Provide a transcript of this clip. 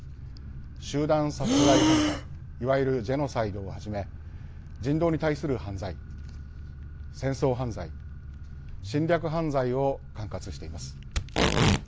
集団殺害犯罪いわゆる、ジェノサイドをはじめ人道に対する犯罪、戦争犯罪侵略犯罪を管轄しています。